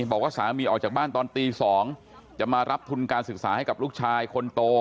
บอกว่าสามีออกจากบ้านตอนตี๒จะมารับทุนการศึกษาให้กับลูกชายคนโต